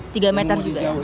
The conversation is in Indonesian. tiga meter juga ya